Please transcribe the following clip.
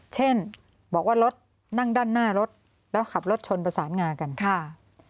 เช่นบอกว่ารถนั่งด้านหน้ารถแล้วขับรถชนประสานงากันค่ะ